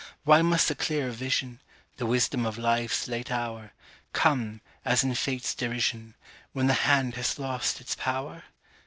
Why must the clearer vision, The wisdom of Life's late hour, Come, as in Fate's derision, When the hand has lost its power?